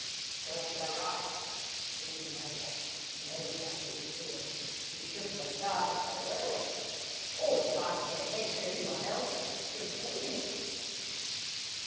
"Serves her right," cawed a neighbour (a lady, I feel sure). "She shouldn't have started so early—always trying to get ahead of everyone else with her spring cleaning!"